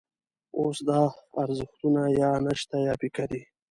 اوس دا ارزښتونه یا نشته یا پیکه دي.